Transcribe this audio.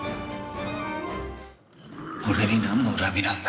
俺になんの恨みがあるんだ。